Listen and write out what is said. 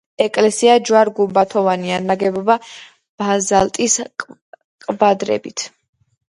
ეკლესია ჯვარ-გუმბათოვანია, ნაგებია ბაზალტის კვადრებით.